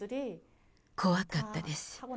怖かったです。